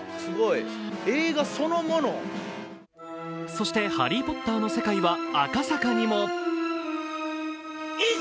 そして、「ハリー・ポッター」の世界は赤坂にも。